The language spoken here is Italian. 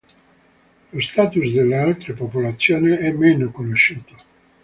Lo status delle altre popolazioni è meno conosciuto.